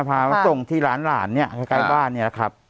พามาส่งที่ร้านหลานเนี่ยใกล้บ้านเนี่ยแหละครับ